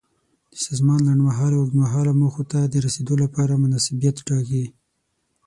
د سازمان لنډمهاله او اوږدمهاله موخو ته د رسیدو لپاره مناسبیت ټاکي.